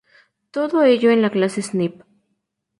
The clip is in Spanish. Todo ello en la clase Snipe.